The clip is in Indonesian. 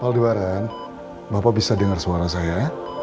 aldiwaran bapak bisa dengar suara saya